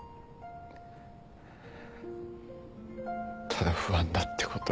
ただ不安だってこと。